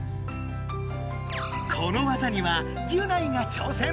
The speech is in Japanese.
この技にはギュナイが挑戦。